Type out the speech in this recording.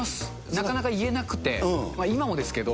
なかなか言えなくて、今もですけど。